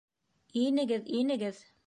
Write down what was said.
Инегеҙ, инегеҙ!